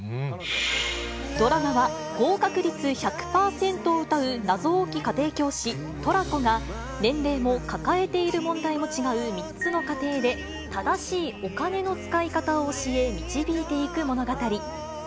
ドラマは合格率１００％をうたう謎多き家庭教師、トラコが、年齢も抱えている問題も違う３つの家庭で、正しいお金の使い方を教え、導いていく物語。